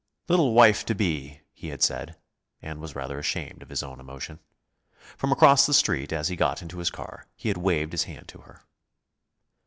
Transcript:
"Little wife to be!" he had said, and was rather ashamed of his own emotion. From across the Street, as he got into his car, he had waved his hand to her.